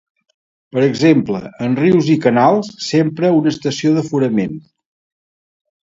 Per exemple, en rius i canals s'empra una estació d'aforament.